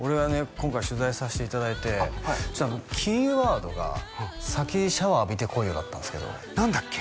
今回取材させていただいてキーワードが「先シャワー浴びてこいよ」だったんすけど何だっけ？